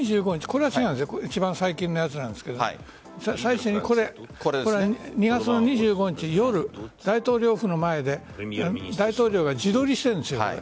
これは一番最近のやつなんですが２月の２５日夜大統領府の前で大統領が自撮りしているんです。